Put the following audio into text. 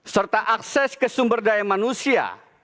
serta akses ke sumber daya manusia